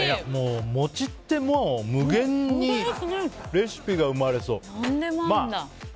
餅ってもう無限にレシピが生まれそう。